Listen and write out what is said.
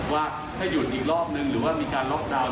ว่าถ้าหยุดอีกรอบนึงหรือว่ามีการล็อกดาวน